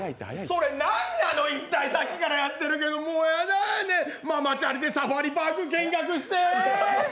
それなんなの一体さっきからやってる、もうやだ、ねえ、ママチャリでサファリパーク見学して。